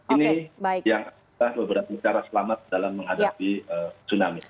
ini yang adalah beberapa cara selamat dalam menghadapi tsunami